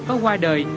có qua đời